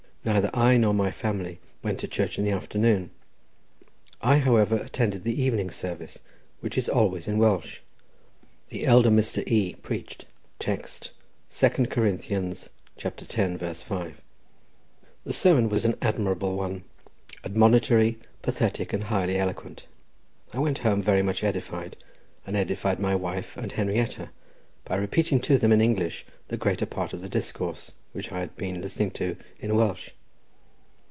Neither I nor my family went to church in the afternoon. I, however, attended the evening service, which is always in Welsh. The elder Mr. E— preached. Text, 2 Cor. x. 5. The sermon was an admirable one, admonitory, pathetic and highly eloquent; I went home very much edified, and edified my wife and Henrietta, by repeating to them in English the greater part of the discourse which I had been listening to in Welsh.